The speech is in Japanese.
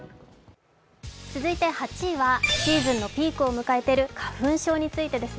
８位はシーズンのピークを迎えている花粉症についてです。